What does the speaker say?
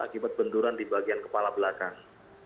akibat benturan di bagian kepala belakang